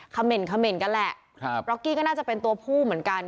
คำเมนต์คำเมนต์ก็แหละครับร็อกกี้ก็น่าจะเป็นตัวผู้เหมือนกัน